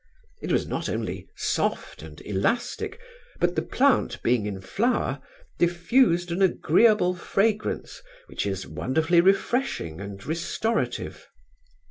It was not only soft and elastic, but the plant, being in flower, diffused an agreeable fragrance, which is wonderfully refreshing and restorative.